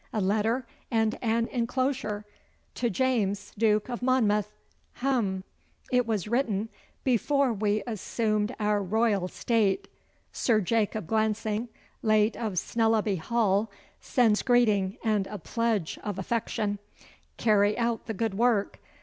A letter and an enclosure. "To James, Duke of Monmouth" hum! It was written before we assumed our royal state. "Sir Jacob Glancing, late of Snellaby Hall, sends greeting and a pledge of affection. Carry out the good work.